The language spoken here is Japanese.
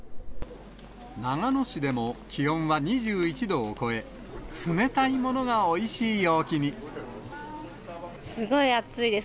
長野市でも気温は２１度を超え、すごい暑いです。